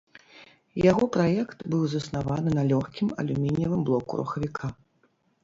Яго праект быў заснаваны на лёгкім алюмініевым блоку рухавіка.